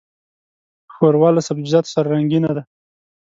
ښوروا له سبزيجاتو سره رنګینه ده.